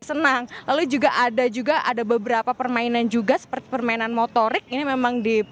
senang lalu juga ada juga ada beberapa permainan juga seperti permainan motorik ini memang di